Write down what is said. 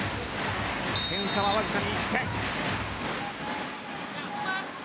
点差はわずかに１点。